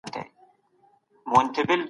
ټولنپوهان د اشخاصو تر منځ چلند ګوري.